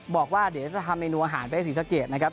บอกว่าเดี๋ยวจะทำเมนูอาหารไปให้ศรีสะเกดนะครับ